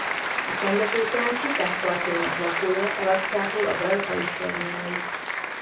A Csendes-óceán sziklás partjainak lakója Alaszkától a Baja Californiáig.